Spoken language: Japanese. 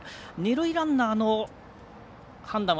二塁ランナーの判断は。